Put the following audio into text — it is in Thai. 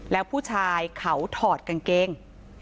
แล้วผู้ชายเขาถอดกางเกง